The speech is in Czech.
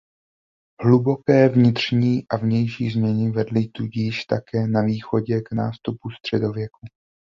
Hluboké vnitřní a vnější změny vedly tudíž také na Východě k nástupu středověku.